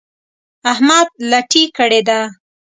احمد لټي کړې ده.